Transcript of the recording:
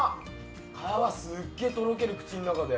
皮すげえとろける、口の中で。